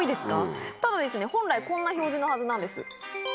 ただ本来こんな標示のはずなんです。